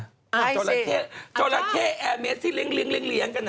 จราเข้จราเข้แอร์เมสที่เลี้ยงกัน